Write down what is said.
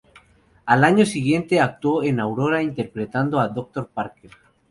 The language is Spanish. Al año siguiente actuó en "Aurora", interpretando a Dr. Parker.